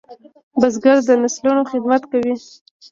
بزګر د نسلونو خدمت کوي